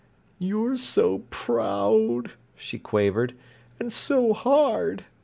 "You're so proud," she quavered, "and so hard!